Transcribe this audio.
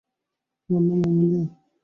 আমার নাম অ্যামেলিয়া।